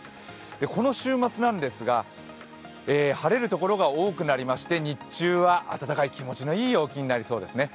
この週末なんですが、晴れるところが多くなりまして日中は暖かい気持ちのいい陽気になりそうですね。